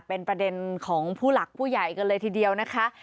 เป็นประเด็นของผู้หลักผู้ใหญ่กันเลยทีเดียวนะคะ